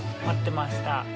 待ってました。